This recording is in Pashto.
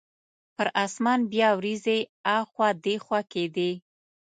پر اسمان بیا وریځې اخوا دیخوا کیدې.